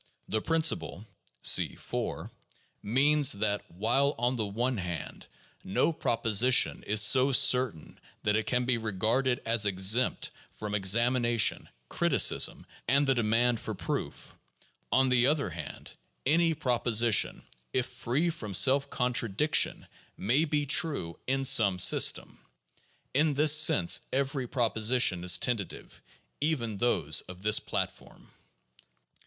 The principle (see 4) means, that, while on the one hand no proposition is so certain that it can be regarded as exempt from ex amination, criticism, and the demand for proof, on the other hand, any proposition, if free from self contradiction, may be true (in some system). In this sense every proposition is tentative, even those of this platform.